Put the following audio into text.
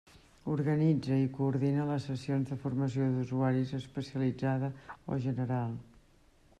Organitza i coordina les sessions de formació d'usuaris especialitzada o general.